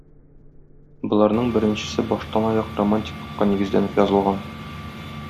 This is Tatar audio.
Боларның беренчесе баштанаяк романтиклыкка нигезләнеп язылган.